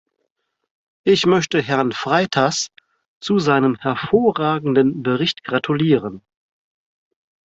Ich möchte Herrn Freitas zu seinem hervorragenden Bericht gratulieren.